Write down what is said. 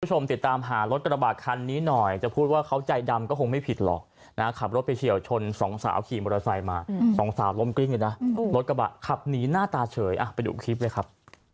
คุณผู้ชมติดตามหารถกระบะคันนี้หน่อยจะพูดว่าเขาใจดำก็คงไม่ผิดหรอกนะขับรถไปเฉียวชนสองสาวขี่มอเตอร์ไซค์มาสองสาวล้มกลิ้งเลยนะรถกระบะขับหนีหน้าตาเฉยไปดูคลิปเลยครับ